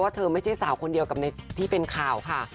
เธอไม่ใช่สาวคนเดียวกับที่เป็นข่าวค่ะ